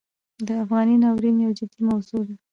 د افغانۍ ناورین یو جدي موضوع ده.